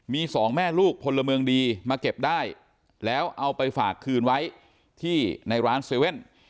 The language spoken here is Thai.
มีสองแม่ลูกพลเมืองดีมาเก็บได้แล้วเอาไปฝากคืนไว้ที่ในร้าน๗๑๑